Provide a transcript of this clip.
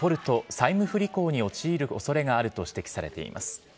債務不履行に陥る恐れがあると指摘されています。